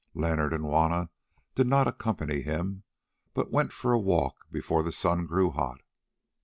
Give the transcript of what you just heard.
Leonard and Juanna did not accompany him, but went for a walk before the sun grew hot.